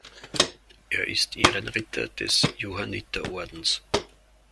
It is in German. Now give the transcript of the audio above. Er ist Ehrenritter des Johanniterordens.